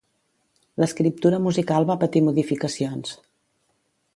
L'escriptura musical va patir modificacions.